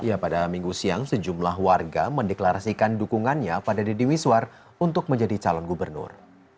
ya pada minggu siang sejumlah warga mendeklarasikan dukungannya pada deddy miswar untuk menjadi calon gubernur